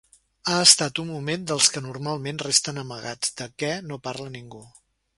Ha estat un moment dels que normalment resten amagats, de què no parla ningú.